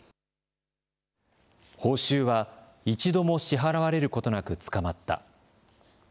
報酬は一度も支払われることなく捕まった。